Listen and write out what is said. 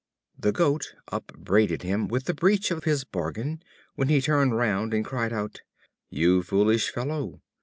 The Goat upbraided him with the breach of his bargain, when he turned round and cried out: "You foolish fellow!